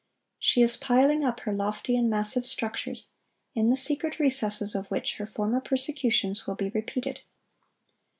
She is piling up her lofty and massive structures, in the secret recesses of which her former persecutions will be repeated.